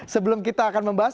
sebelum kita akan membahas